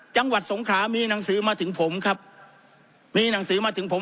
จังหวัดสงขลามีหนังสือมาถึงผมครับมีหนังสือมาถึงผม